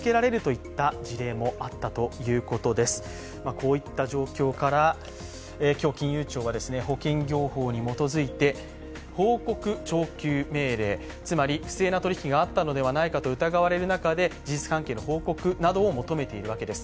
こういった状況から今日、金融庁は保険業法に基づいて報告徴求命令つまり不正な取引があったのではないかと疑われる中で、事実関係の報告などを求めているわけです。